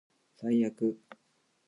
最悪